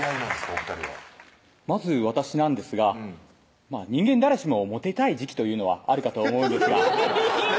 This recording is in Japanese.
お２人はまず私なんですが人間誰しもモテたい時期というのはあるかと思うんですがフフフフッ